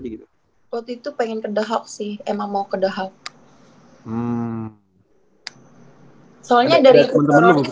waktu itu pengen ke the hawk sih emang mau ke the hawk